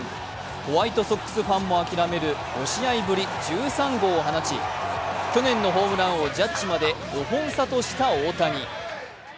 ホワイトソックスファンも諦める５試合ぶり１３号を放ち去年のホームラン王ジャッジまで５本差とした大谷。